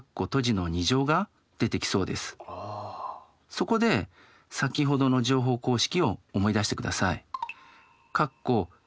そこで先ほどの乗法公式を思い出してください。